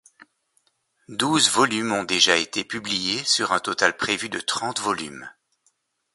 Douze volumes ont déjà été publiés, sur un total prévu de trente volumes.